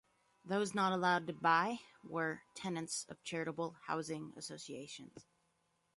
Those not allowed to buy were tenants of charitable housing associations.